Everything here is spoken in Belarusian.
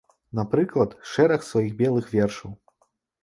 Напрыклад, шэраг сваіх белых вершаў.